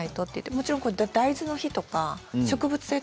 もちろん大豆の日とか植物性